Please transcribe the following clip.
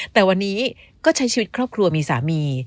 แต่วันนี้ก็ใช้ชีวิตครอบครัวมีสามี